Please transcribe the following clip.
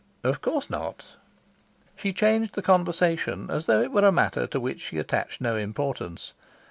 "Of course not." She changed the conversation as though it were a matter to which she attached no importance.